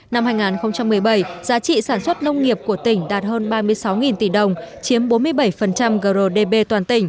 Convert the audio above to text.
năm hai nghìn một mươi bảy giá trị sản xuất nông nghiệp của tỉnh đạt hơn ba mươi sáu tỷ đồng chiếm bốn mươi bảy grdp toàn tỉnh